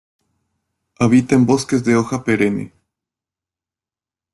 Habita en bosques de hoja perenne.